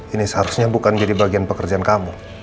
ini seharusnya bukan jadi bagian pekerjaan kamu